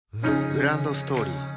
グランドストーリー